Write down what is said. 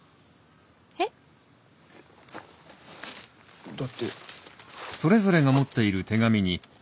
えっ？だって。